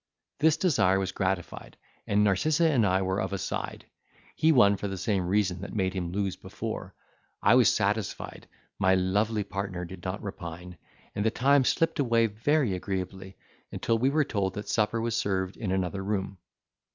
This desire was gratified, and Narcissa and I were of a side; he won for the same reason that made him lose before; I was satisfied, my lovely partner did not repine, and the time slipped away very agreeably, until we were told that supper was served in another room.